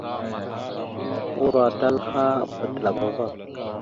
Uroatal a bbadalava va.